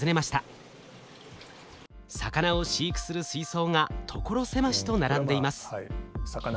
魚を飼育する水槽が所狭しと並んでいます。